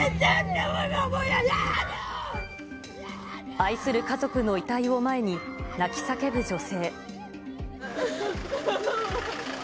愛する家族の遺体を前に、泣き叫ぶ女性。